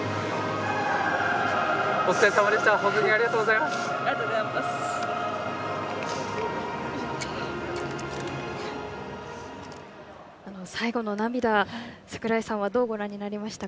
お疲れさまでした。